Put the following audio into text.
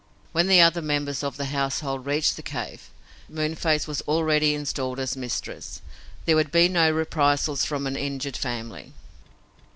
When the other members of the household reached the cave Moonface was already installed as mistress. There would be no reprisals from an injured family.